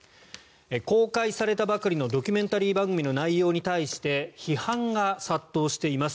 公開されたばかりのドキュメンタリー番組の内容に対して批判が殺到しています。